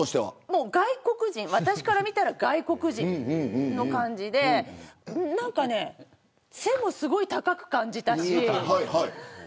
もう私からみたら外国人の感じでなんか背もすごい高く感じたし。